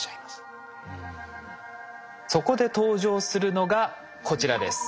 そこで登場するのがこちらです。